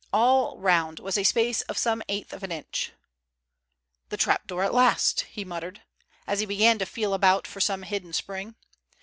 All round was a space of some eighth of an inch. "The trap door at last," he muttered, as he began to feel about for some hidden spring.